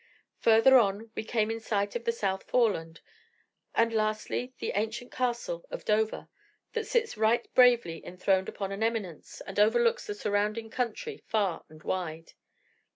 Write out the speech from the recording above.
Further on, we came in sight of the South Foreland; and lastly, the ancient castle of Dover, that sits right bravely enthroned upon an eminence, and overlooks the surrounding country, far and wide.